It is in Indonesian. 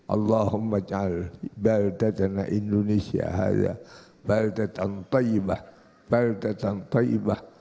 allahumma ca'al baltetana indonesia hala baltetan taybah baltetan taybah